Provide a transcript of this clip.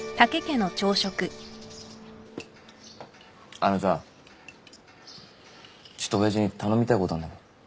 あのさちょっと親父に頼みたいことあんだけど。